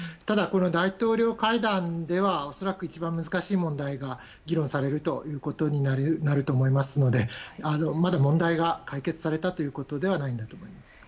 ただ、大統領会談では恐らく一番難しい問題が議論されるということになると思いますのでまだ問題が解決されたということではないと思います。